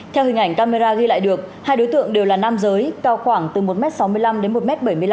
theo hình ảnh camera ghi lại được hai đối tượng đều là nam giới cao khoảng từ một m sáu mươi năm đến một m bảy mươi năm